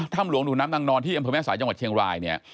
หลวงหนูน้ำนางนอนที่อำเภอแม่สายจังหวัดเชียงรายเนี่ย